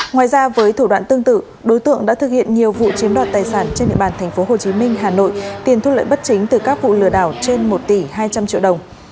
ngoài ra với thủ đoạn tương tự đối tượng đã thực hiện nhiều vụ chiếm đoạt tài sản trên địa bàn tp hcm hà nội tiền thu lợi bất chính từ các vụ lừa đảo trên một tỷ hai trăm linh triệu đồng